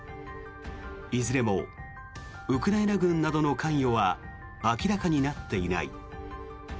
いずれもウクライナ軍などの関与は明らかになっていない。